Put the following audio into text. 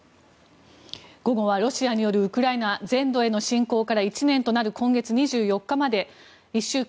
午後は、ロシアによるウクライナ全土への侵攻から１年となる今月２４日まで１週間。